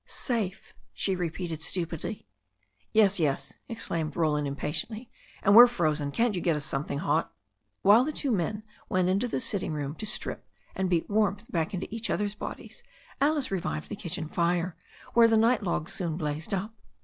'Safe," she repeated stupidly. 'Yes, yes," exclaimed Roland impatiently. "And we're frozen. Can't you get us something hot?" While the two men went into the sitting room to strip and beat warmth back into each other's bodies, Alice re vived the kitchen fire, where the night logs soon blazed up.